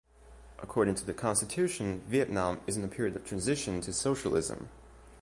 According to the Constitution, Vietnam is in a period of transition to socialism.